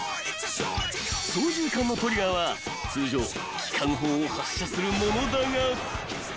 ［操縦かんのトリガーは通常機関砲を発射するものだが］